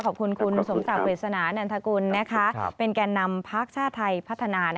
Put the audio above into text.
ขอบคุณคุณสมศักดิษนานันทกุลเป็นแก่นำพักชาติไทยพัฒนา